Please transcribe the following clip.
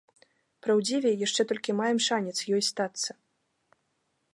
Праўдзівей, яшчэ толькі маем шанец ёй стацца.